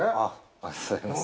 ありがとうございます。